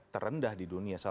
terendah di dunia salah satu